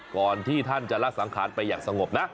ก่อนที่ท่านจะละสังขารไปอย่างสงบนะ